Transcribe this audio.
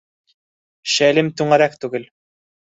Шәлем түңәрәк түгел...